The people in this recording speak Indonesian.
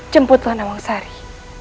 jemputlah nawang sari